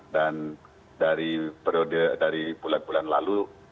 dan dari bulan bulan lalu juga